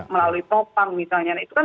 melalui topang misalnya itu kan